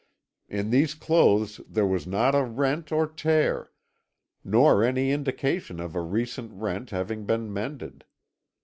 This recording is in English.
In these clothes there was not a rent or tear, nor any indication of a recent rent having been mended.